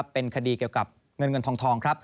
เป็นคดีเกี่ยวกับเงินเงินทองครับ